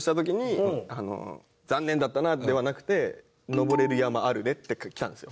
「残念だったな」ではなくて「登れる山あるね」って来たんですよ。